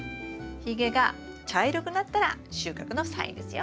ひげが茶色くなったら収穫のサインですよ。